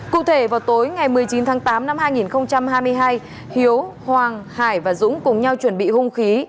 cụ thể vào tối ngày một mươi chín tháng tám năm hai nghìn hai mươi hai hiếu hoàng hải và dũng cùng nhau chuẩn bị hung khí